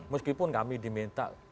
meskipun kami diminta